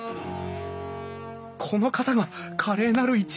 この方が華麗なる一族！